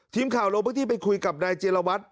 ทีมข่าวลงพื้นที่ไปคุยกับนายเจรวัตร